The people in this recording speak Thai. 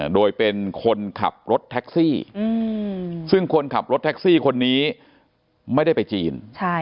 โดยเป็นคนขับรถแท็กซี่ซึ่งคนขับรถแท็กซี่คนนี้ไม่ได้ไปจีน